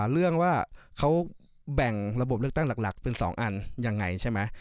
เรื่องว่าเขาแบ่งระบบเลือกตั้งหลักเป็น๒อันยังไงใช่ไหม